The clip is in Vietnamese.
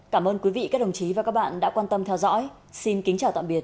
cảm ơn quý vị các đồng chí và các bạn đã quan tâm theo dõi xin kính chào tạm biệt